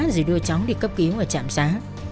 rồi đưa cháu đi cấp kiếm ở trạm xá